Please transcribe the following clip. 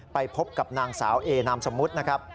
ไปพบกับนางสาวเอนามสมมุตินะครับ